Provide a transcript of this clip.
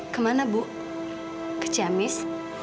kemana bu ke ciamis